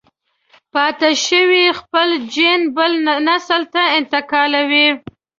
پاتې شوی يې خپل جېن بل نسل ته انتقالوي.